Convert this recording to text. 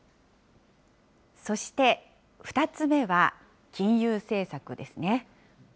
そして２つ目は、金融政策ですね。